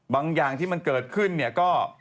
อย่างที่มันเกิดขึ้นเนี่ยก็